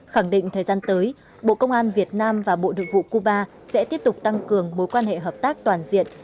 khẳng định thời gian tới bộ công an việt nam và bộ nội vụ cuba sẽ tiếp tục tăng cường mối quan hệ hợp tác toàn diện